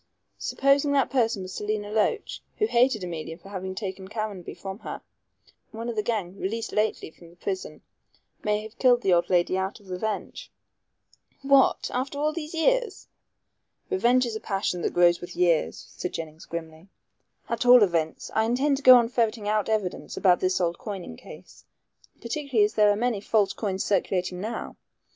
Supposing that person was Selina Loach, who hated Emilia for having taken Caranby from her. One of the gang released lately from prison may have killed the old lady out of revenge." "What! after all these years?" "Revenge is a passion that grows with years," said Jennings grimly; "at all events, I intend to go on ferreting out evidence about this old coining case, particularly as there are many false coins circulating now.